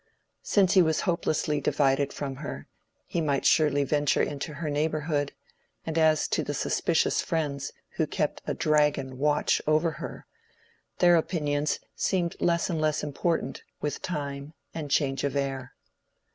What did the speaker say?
Since he was hopelessly divided from her, he might surely venture into her neighborhood; and as to the suspicious friends who kept a dragon watch over her—their opinions seemed less and less important with time and change of air.